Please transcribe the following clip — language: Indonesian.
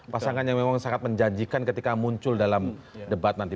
pasangan yang memang sangat menjanjikan ketika muncul dalam debat nanti